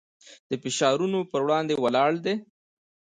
چې د فشارونو پر وړاندې ولاړ دی.